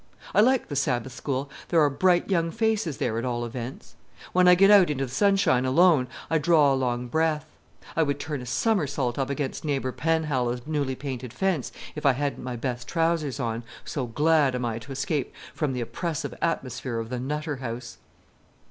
I like the Sabbath school; there are bright young faces there, at all events. When I get out into the sunshine alone, I draw a long breath; I would turn a somersault up against Neighbor Penhallow's newly painted fence if I hadn't my best trousers on, so glad am I to escape from the oppressive atmosphere of the Nutter House.